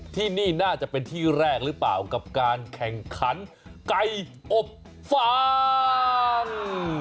ที่นี่น่าจะเป็นที่แรกหรือเปล่ากับการแข่งขันไก่อบฟาง